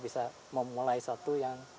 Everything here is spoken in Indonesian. bisa memulai satu yang